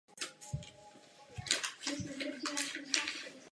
Pojem patří do oblasti vlivu skupiny na jednotlivce.